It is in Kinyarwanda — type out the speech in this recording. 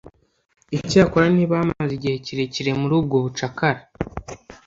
Icyakora ntibamaze igihe kirekire muri ubwo bucakara,